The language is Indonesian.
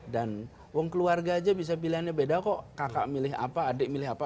uang keluarga aja bisa pilihannya beda kok kakak milih apa adik milih apa